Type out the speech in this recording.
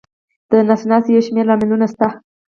د نس ناستي یو شمېر لاملونه شته.